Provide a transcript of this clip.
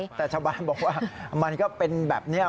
ประชาบาลบอกว่ามันก็เป็นแบบนี้